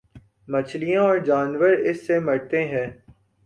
مچھلیاں اور جانور اس سے مرتے ہیں۔